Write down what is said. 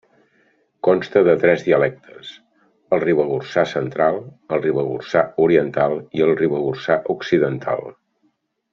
Consta de tres dialectes: el ribagorçà central, el ribagorçà oriental i el ribagorçà occidental.